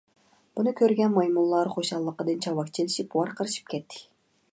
بۇنى كۆرگەن مايمۇنلار خۇشاللىقىدىن چاۋاك چېلىشىپ ۋارقىرىشىپ كەتتى.